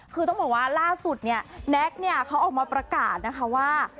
คือต้องบอกว่าล่าสุดเนี่ยแน็กเนี่ยเขาออกมาประกาศนะคะว่า